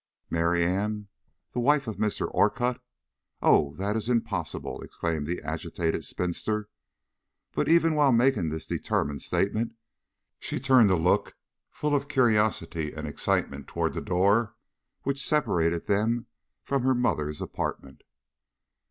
"Mary Ann the wife of Mr. Orcutt! Oh, that is impossible!" exclaimed the agitated spinster. But even while making this determined statement, she turned a look full of curiosity and excitement toward the door which separated them from her mother's apartment.